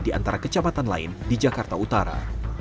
di antara kecamatan lain di jakarta utara